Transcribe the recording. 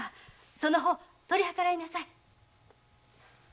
その方取り計らいなさい。